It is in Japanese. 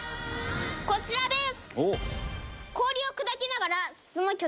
こちらです！